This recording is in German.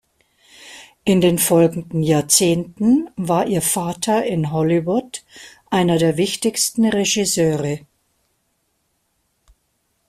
In den folgenden Jahrzehnten war ihr Vater in Hollywood einer der wichtigsten Regisseure.